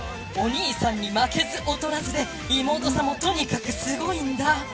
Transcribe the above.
お兄さんに負けず劣らずで妹さんもとにかくすごいんだ。